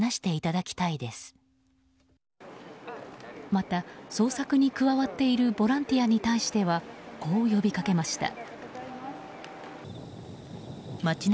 また、捜索に加わっているボランティアに対してはこう呼びかけました。